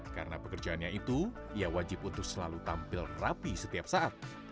karena pekerjaannya itu ia wajib untuk selalu tampil rapi setiap saat